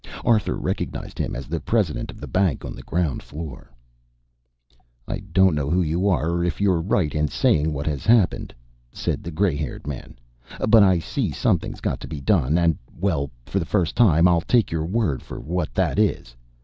Arthur recognized him as the president of the bank on the ground floor. "I don't know who you are or if you're right in saying what has happened," said the gray haired man. "But I see something's got to be done, and well, for the time being I'll take your word for what that is.